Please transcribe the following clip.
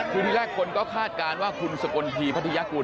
คือที่แรกคนก็คาดการณ์ว่าคุณสกลทีพัทยากุล